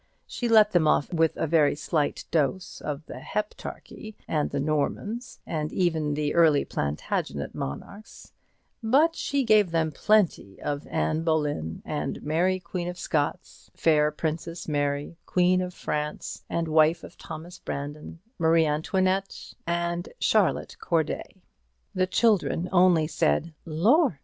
She let them off with a very slight dose of the Heptarchy and the Normans, and even the early Plantagenet monarchs; but she gave them plenty of Anne Boleyn and Mary Queen of Scots, fair Princess Mary, Queen of France, and wife of Thomas Brandon, Marie Antoinette and Charlotte Corday. The children only said "Lor'!"